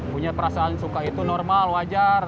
punya perasaan suka itu normal wajar